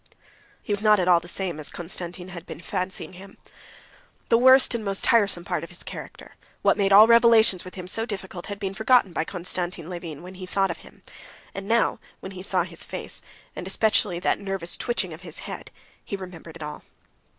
He was not at all the same as Konstantin had been fancying him. The worst and most tiresome part of his character, what made all relations with him so difficult, had been forgotten by Konstantin Levin when he thought of him, and now, when he saw his face, and especially that nervous twitching of his head, he remembered it all.